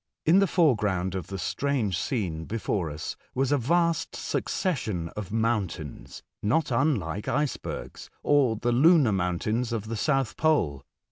In tbe foreground of tbe strange scene before us was a vast succession of mountains, not unlike icebergs, or tbe lunar mountains of tbe Soutb pole.